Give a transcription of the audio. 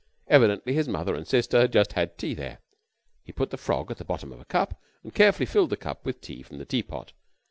Evidently his mother and sister had just had tea there. He put the frog at the bottom of a cup and carefully filled the cup with tea from the teapot.